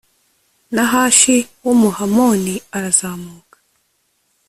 nahashi w'umuhamoni arazamuka